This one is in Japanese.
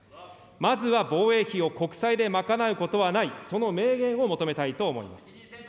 まずは防衛費を国債で賄うことはない、その明言を求めたいと思います。